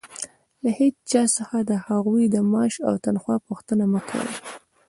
له هيچا څخه د هغوى د معاش او تنخوا پوښتنه مه کوئ!